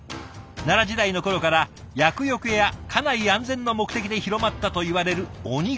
奈良時代の頃から厄よけや家内安全の目的で広まったといわれる鬼瓦。